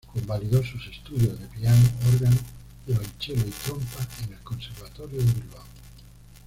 Convalidó sus estudios de piano, órgano, violonchelo y trompa en el Conservatorio de Bilbao.